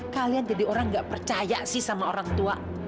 kalian jadi orang nggak percaya sih sama orang tua